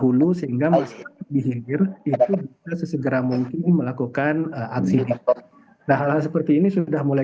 hulu sehingga masih dihirir itu sesegera mungkin melakukan aksi hal hal seperti ini sudah mulai